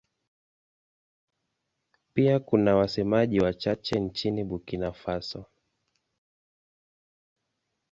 Pia kuna wasemaji wachache nchini Burkina Faso.